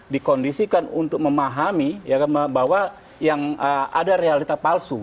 dikondisikan untuk memahami bahwa yang ada realita palsu